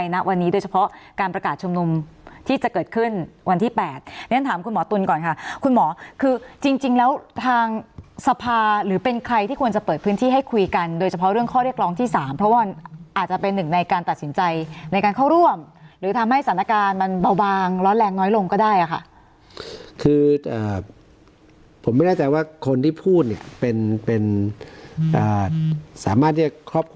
นะวันนี้โดยเฉพาะการประกาศชมนุมที่จะเกิดขึ้นวันที่๘แล้วถามคุณหมอตุ้นก่อนค่ะคุณหมอคือจริงจริงแล้วทางสภาหรือเป็นใครที่ควรจะเปิดพื้นที่ให้คุยกันโดยเฉพาะเรื่องข้อเรียกร้องที่๓เพราะว่าอาจจะเป็นหนึ่งในการตัดสินใจในการเข้าร่วมหรือทำให้สถานการณ์มันเบาบางร้อนแรงน้อยลงก็ได้